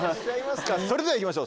それでは行きましょう！